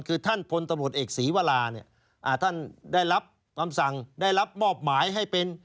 คือท่านพลตมติศษีวราท่านได้รับคำสั่งได้รับมอบหมายให้เป็น